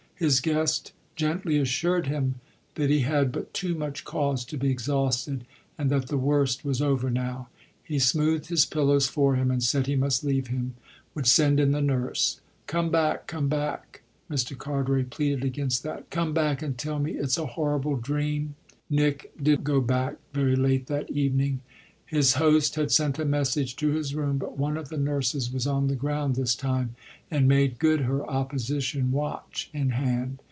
His guest gently assured him that he had but too much cause to be exhausted and that the worst was over now. He smoothed his pillows for him and said he must leave him, would send in the nurse. "Come back, come back," Mr. Carteret pleaded against that; "come back and tell me it's a horrible dream." Nick did go back very late that evening; his host had sent a message to his room. But one of the nurses was on the ground this time and made good her opposition watch in hand.